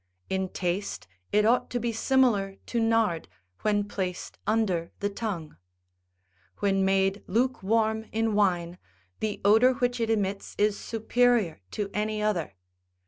In taste it ought to be similar to nard, when placed under the tongue. "When made hike warm in wine, the odour which it emits is superior to any other.